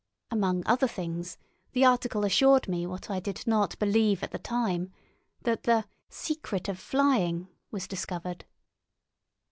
Among other things, the article assured me what I did not believe at the time, that the "Secret of Flying," was discovered.